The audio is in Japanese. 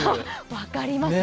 分かります。